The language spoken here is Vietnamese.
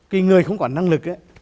cái người không có năng lực ấy